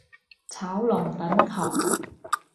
炒龍躉球